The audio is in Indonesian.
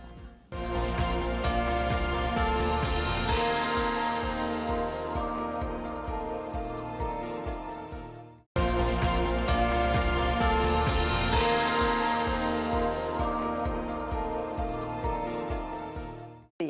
oleh outlooknya asean itu adalah kerja sama